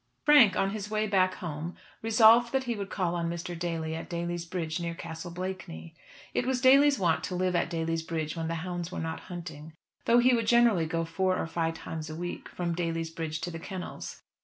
Frank, on his way back home, resolved that he would call on Mr. Daly at Daly's Bridge, near Castle Blakeney. It was Daly's wont to live at Daly's Bridge when the hounds were not hunting, though he would generally go four or five times a week from Daly's Bridge to the kennels.